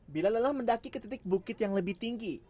bila lelah mendaki ke titik bukit yang lebih tinggi